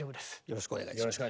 よろしくお願いします。